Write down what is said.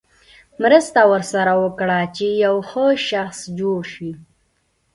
مرسته ورسره وکړه چې یو ښه شخص جوړ شي.